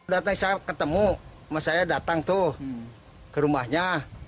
datang saya ketemu sama saya datang tuh ke rumahnya